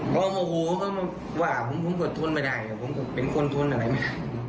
เพราะว่าผมก็ทนไม่ได้ผมก็เป็นคนทนอะไรไม่ได้